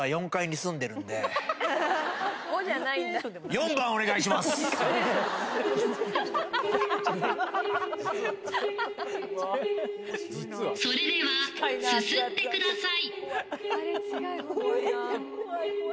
それではすすってください。